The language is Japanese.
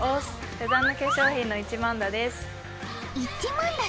セザンヌ化粧品の一万田です。